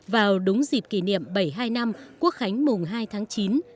vào đúng dịp kỷ niệm bảy mươi hai năm quốc khánh mùng hai tháng chín